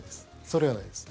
それはないです。